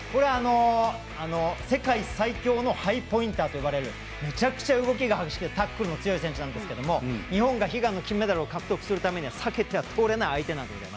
世界最強のハイポインターと呼ばれるむちゃくちゃ動きが激しくてタックルが強い選手なんですけど日本が悲願の金メダルを獲得するためには避けて通れない相手なんです。